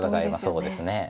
そうですね。